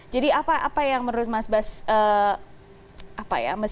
jadi apa yang menurut mas bas apa ya